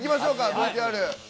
ＶＴＲ。